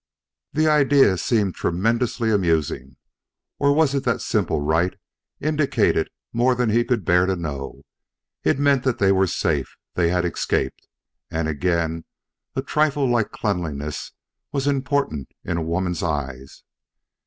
The idea seemed tremendously amusing or was it that the simple rite indicated more than he could bear to know? It meant that they were safe; they had escaped; and again a trifle like cleanliness was important in a woman's eyes.